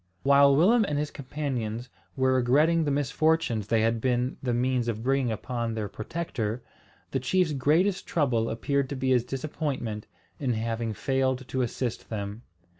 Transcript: While Willem and his companions were regretting the misfortunes they had been the means of bringing upon their protector, the chief's greatest trouble appeared to be his disappointment in having failed to assist them.